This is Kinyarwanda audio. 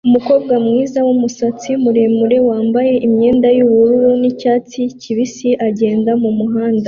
Umukobwa mwiza wumusatsi muremure wambaye imyenda yubururu nicyatsi kibisi agenda mumuhanda